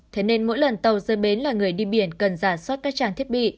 thế nên mỗi lần tàu dưới bến là người đi biển cần giả soát các trang thiết bị